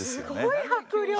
すごい迫力！